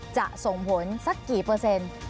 จะส่งผลสักกี่เปอร์เซ็นต์